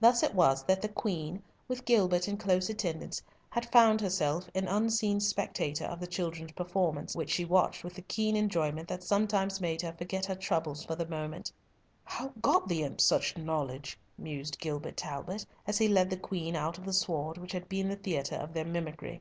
Thus it was that the Queen, with Gilbert in close attendance, had found herself an unseen spectator of the children's performance, which she watched with the keen enjoyment that sometimes made her forget her troubles for the moment. "How got the imps such knowledge?" mused Gilbert Talbot, as he led the Queen out on the sward which had been the theatre of their mimicry.